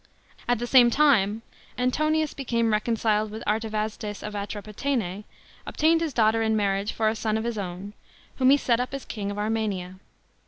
At the same time Antonius became reconciled with Artavasdes of Atropateue, obtained his daughter in marriage for a son of his own, whom he set up as king of Armenia.